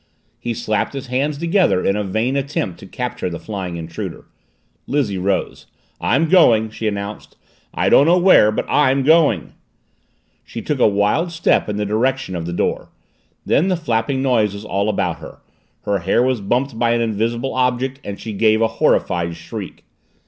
He slapped his hands together in a vain attempt to capture the flying intruder. Lizzie rose. "I'm going!" she announced. "I don't know where, but I'm going!" She took a wild step in the direction of the door. Then the flapping noise was all about her, her nose was bumped by an invisible object and she gave a horrified shriek.